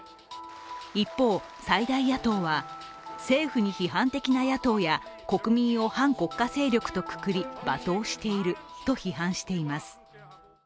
一方、最大野党は政府に批判的な野党や国民を反国家勢力とくくり罵倒していると批判しています。